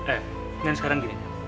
eh jangan sekarang gini